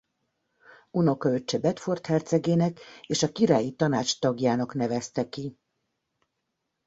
Unokaöccse Bedford hercegének és a királyi tanács tagjának nevezte ki.